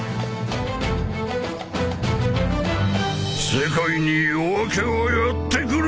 世界に夜明けはやってくる！